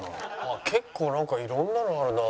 結構なんか色んなのがあるな。